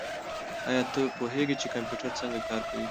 ایا ته پوهېږې چې کمپیوټر څنګه کار کوي؟